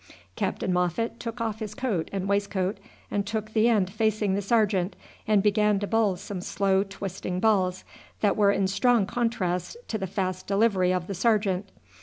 Captain Moffat took off his coat and waistcoat and took the end facing the sergeant, and began to bowl some slow twisting balls, that were in strong contrast to the fast delivery of the sergeant.